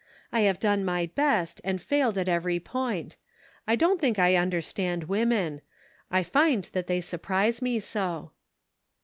I have done my best, and failed at every point. I don't think I understand women. I find that they surprise me so."